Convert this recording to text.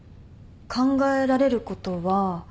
考えられることは。